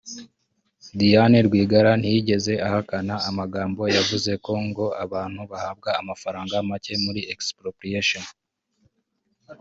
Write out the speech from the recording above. Diane Rwigara ntiyigeze ahakana amagambo yavuze ko ngo abantu bahabwa amafaranga macye muri ‘expropriation’